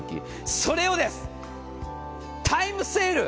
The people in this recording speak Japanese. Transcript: それをです、タイムセール。